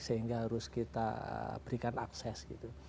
sehingga harus kita berikan akses gitu